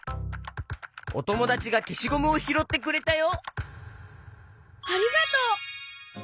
おともだちがけしゴムをひろってくれたよ。